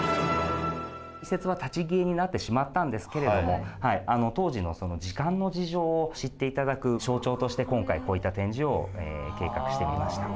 移設は立ち消えになってしまったんですけれども当時の時間の事情を知って頂く象徴として今回こういった展示を計画してみました。